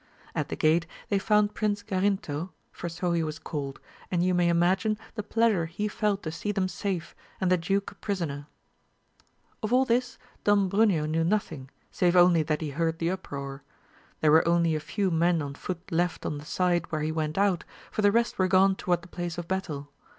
At the gate they found Prince Garinto, for so he was called, and you may imagine the pleasure he felt to sec them safe, and the duke a prisoner. Of all this Don Bruneo knew nothing, save only that he heard the uproar. There were only a few men on foot left on the side where he went out, for the rest were gone toward the place of battle.